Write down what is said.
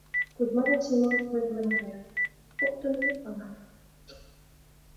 Кузьма ден Семон ойырлен каят, коктын мутланат.